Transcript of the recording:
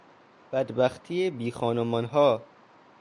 بدبختی بیخانمانها